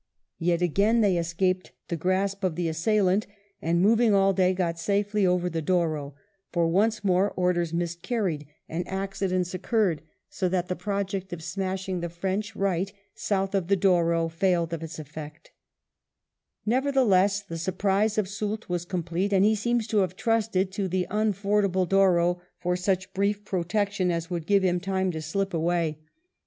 yet again they escaped the grasp of the assailant, and moving all day got safely over the Douro, for once more orders miscarried and accidents occurred, so that the project of smashing the French right south of the Douro failed of its full effect Nevertheless, the surprise of Soult was complete, and he seems to have trusted to the unfordable Douro for such brief protection as would give him time to slip away.